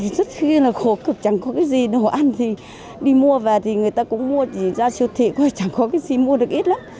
rất khí là khổ cực chẳng có cái gì đồ ăn đi mua về thì người ta cũng mua chỉ ra siêu thị chẳng có cái gì mua được ít lắm